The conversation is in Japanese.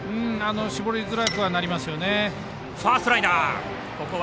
絞りづらくはなりますよね。